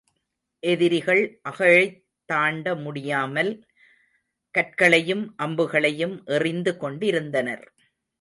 எதிரிகள் அகழைத் தாண்ட முடியாமல், கற்களையும் அம்புகளையும் எறிந்து கொண்டிருந்தனர்.